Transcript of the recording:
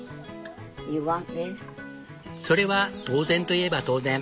それは当然といえば当然。